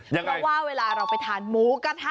เพราะว่าเวลาเราไปทานหมูกระทะ